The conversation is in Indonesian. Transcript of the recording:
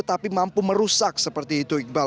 tapi mampu merusak seperti itu iqbal